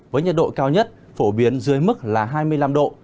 với nhiệt độ cao nhất phổ biến dưới mức là hai mươi năm độ